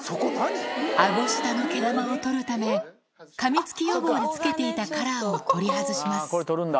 あご下の毛玉を取るため、かみつき予防に着けていたカラーを取り外します。